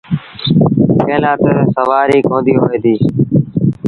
ڪݩهݩ لآ تا سُوآريٚ ڪونديٚ هوئي ديٚ۔